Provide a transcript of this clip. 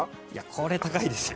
これ高いですよ。